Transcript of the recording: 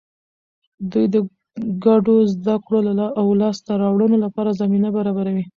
دوی د ګډو زده کړو او لاسته راوړنو لپاره زمینه برابروي.